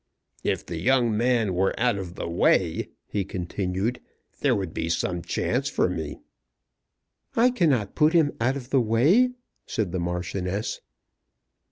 "If the young man were out of the way," he continued, "there would be some chance for me." "I cannot put him out of the way," said the Marchioness.